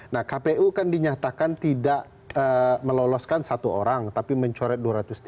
nah kpu kan dinyatakan tidak meloloskan satu orang tapi mencoret dua ratus tiga puluh